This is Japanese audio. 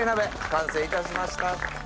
完成いたしました。